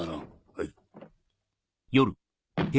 はい。